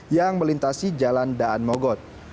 yang melintasi jalan daan mogot